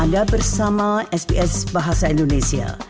anda bersama sbs bahasa indonesia